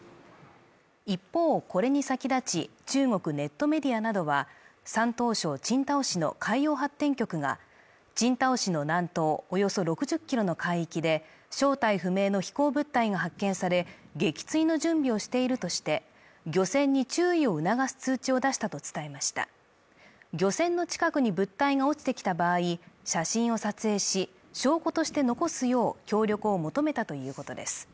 一方これに先立ち中国ネットメディアなどは山東省青島市の海洋発展局が青島市の南東およそ６０ｋｍの海域で正体不明の飛行物体が発見され撃墜の準備をしているとして漁船に注意を促す通知を出したと伝えました漁船の近くに物体が落ちてきた場合写真を撮影し証拠として残すよう協力を求めたということです